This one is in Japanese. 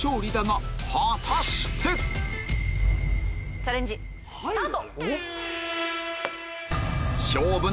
チャレンジスタート！